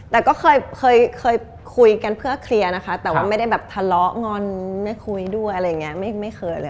แต่ก็เคยคุยกันเพื่อเคลียร์นะคะแต่ว่าไม่ได้แบบทะเลาะงอนไม่คุยด้วยอะไรอย่างนี้ไม่เคยเลย